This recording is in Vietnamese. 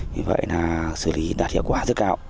vì vậy là xử lý đạt hiệu quả rất cao